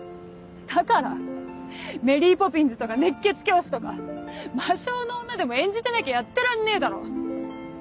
だからメリー・ポピンズとか熱血教師とか魔性の女でも演じてなきゃやってらんねえだろ。